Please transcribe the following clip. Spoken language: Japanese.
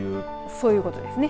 そういうことですね。